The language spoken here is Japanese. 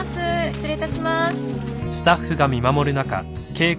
失礼いたします。